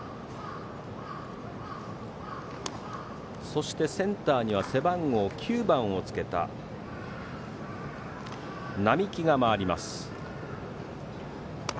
そして、センターには背番号９番をつけた双木が回ります。